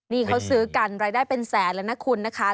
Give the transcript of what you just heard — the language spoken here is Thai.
นี่เขาซื้อกันรายได้เป็นแสนแล้วนะคุณนะคะ